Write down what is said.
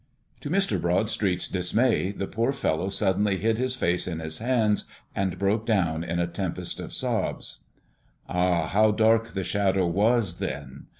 To Mr. Broadstreet's dismay, the poor fellow suddenly hid his face in his hands, and broke down in a tempest of sobs. Ah, how dark the Shadow was then!